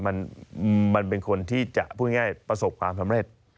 มันเป็นคนที่จะพูดง่ายประสบความสำเร็จ